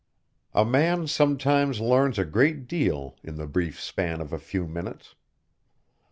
A man sometimes learns a great deal in the brief span of a few minutes.